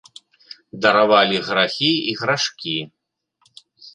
Даравалі грахі і грашкі.